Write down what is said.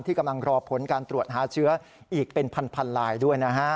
กำลังรอผลการตรวจหาเชื้ออีกเป็นพันลายด้วยนะฮะ